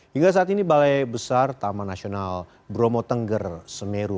hingga saat ini balai besar taman nasional bromo tengger semeru